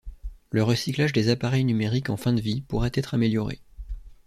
Le recyclage des appareils numériques en fin de vie pourrait être amélioré.